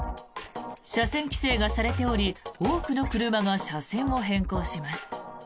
車線規制がされており多くの車が車線を変更します。